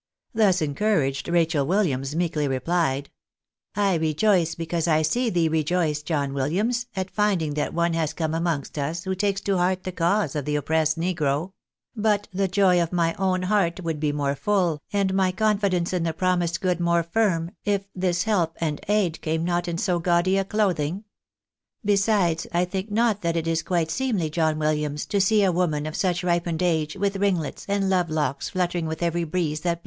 " Thus encouraged, Rachael Williams meekly replied —" I rejoice because I see thee rejoice, John Williams, at finding that one has come amongst us who takes to heart the cause of the oppressed negro ; but the joy of my own heart would be more full, and my confidence in the promised good more firm, if this help and aid came not in so gaudy a clothing. Besides, I think not that it is quite seemly, John Williams, to see a woman of such ripened age with ringlets and love locks fluttering with every breeze that 232 THK BABJSABY8 IM ...